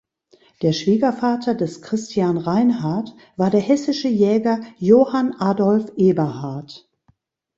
Der Schwiegervater des Christian Reinhard, war der hessische Jäger Johann Adolph Eberhardt.